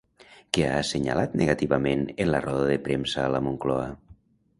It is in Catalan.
Què ha assenyalat negativament en la roda de premsa a La Moncloa?